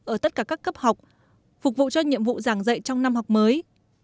ở tất cả các cấp học phục vụ cho nhiệm vụ giảng dạy trong năm học mới